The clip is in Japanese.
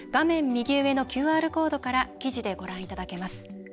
右上のＱＲコードから記事で、ご覧いただけます。